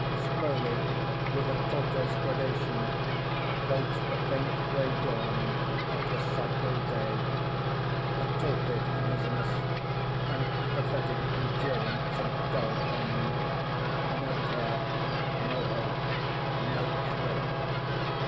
Slowly—with a tortoise gradation—approached the faint gray dawn of the psychal day. A torpid uneasiness. An apathetic endurance of dull pain. No care—no hope—no effort.